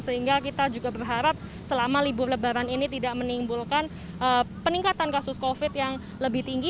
sehingga kita juga berharap selama libur lebaran ini tidak menimbulkan peningkatan kasus covid yang lebih tinggi